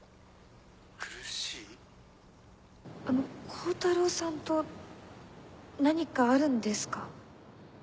苦しい？光太郎さんと何かあるんですか？